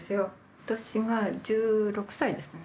私が１６歳ですね。